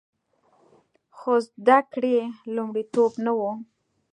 خو زده کړې لومړیتوب نه و